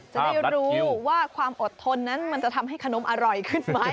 จะได้รู้ว่าความอดทนนั้นมันจะทำให้ขนมอร่อยขึ้นไหม